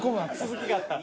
続きがあった。